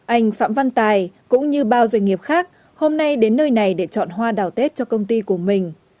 anh phạm văn tài cũng như bao doanh nghiệp khác hôm nay đến nơi này để chọn hoa đào tết cho công ty của mình